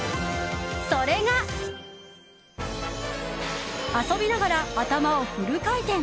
それが、遊びながら頭をフル回転。